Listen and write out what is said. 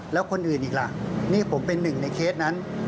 แล้วคนอื่นอีกล่ะนี่ผมเป็นหนึ่งในเคสนั้น